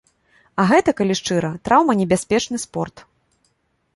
А гэта, калі шчыра, траўманебяспечны спорт.